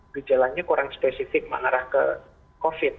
gejalanya kurang spesifik mengarah ke covid